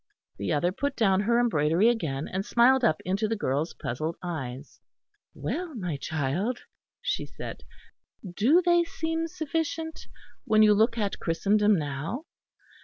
The other put down her embroidery again, and smiled up into the girl's puzzled eyes. "Well, my child," she said, "do they seem sufficient, when you look at Christendom now?